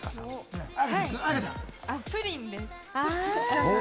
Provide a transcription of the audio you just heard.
プリンです。